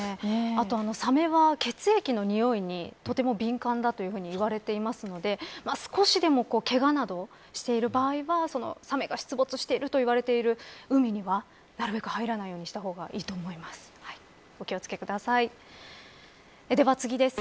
あとは、サメは血液のにおいにとても敏感だと言われていますので少しでもけがなどをしている場合はサメが出没しているといわれている海にはなるべく入らないようにした方がいいと思います。